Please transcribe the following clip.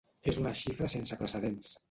És una xifra sense precedents.